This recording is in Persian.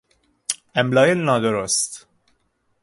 املای نادرست